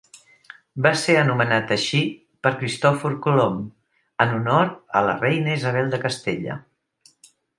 Va ser anomenat així per Cristòfor Colom en honor a la reina Isabel de Castella.